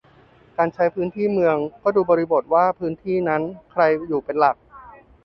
การใช้พื้นที่เมืองก็ดูบริบทว่าพื้นที่นั้นใครอยู่เป็นหลัก